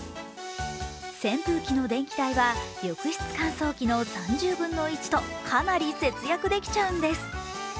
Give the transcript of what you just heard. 扇風機の電気代は浴室乾燥機の３０分の１とかなり節約できちゃうんです。